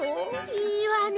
いいわね。